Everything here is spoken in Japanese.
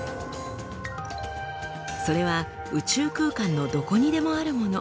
それは宇宙空間のどこにでもあるもの。